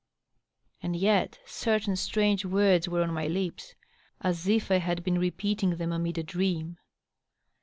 And yet certain strange words were on my lips, as if I had been repeat ing them amid a dream.